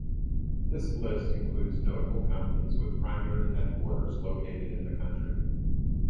This list includes notable companies with primary headquarters located in the country.